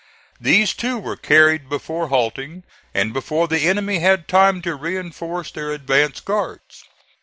These too were carried before halting, and before the enemy had time to reinforce their advance guards.